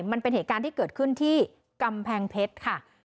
มันเป็นเหตุการณ์ที่เกิดขึ้นที่กำแพงเพชรค่ะ